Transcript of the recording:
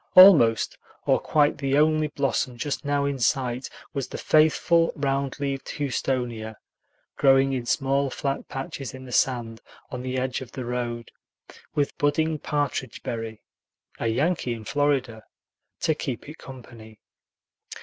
Almost or quite the only blossom just now in sight was the faithful round leaved houstonia, growing in small flat patches in the sand on the edge of the road, with budding partridge berry a Yankee in Florida to keep it company.